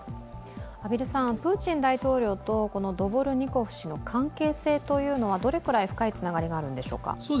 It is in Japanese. プーチン大統領とドボルニコフ氏の関係性というのは、どれくらい深いつながりがあるんでしょうか？